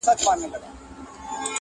• که غزلي د شېراز لال و مرجان دي,